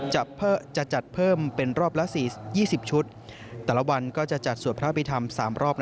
จะจัดเพิ่มเป็นรอบละ๔๒๐ชุดแต่ละวันก็จะจัดสวดพระพิธรรม๓รอบ